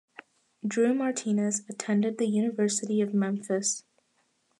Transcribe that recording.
Drew Martinez attended the University of Memphis.